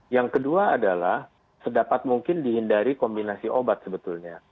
yang kedua adalah sedapat mungkin dihindari kombinasi obat sebetulnya